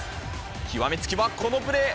極め付きはこのプレー。